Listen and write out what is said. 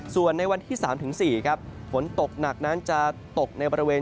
ส่วนในวันที่๓๔ครับฝนตกหนักนั้นจะตกในบริเวณ